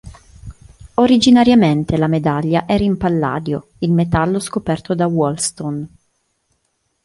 Originariamente la medaglia era in palladio, il metallo scoperto da Wollaston.